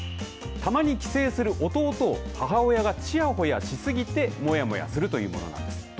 たまに帰省する弟を母親がちやほやしすぎてもやもやするというものなんです。